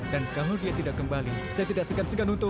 dan kalau dia tidak kembali saya tidak segan segan untuk